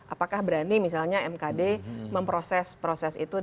apakah berani misalnya mkd memproses proses itu